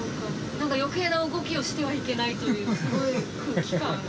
なんか余計な動きをしてはいけないというすごい空気感で。